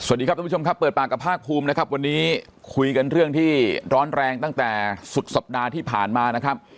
สวัสดีครับทุกผู้ชมครับเปิดปากกับภาคภูมินะครับวันนี้คุยกันเรื่องที่ร้อนแรงตั้งแต่สุดสัปดาห์ที่ผ่านมานะครับ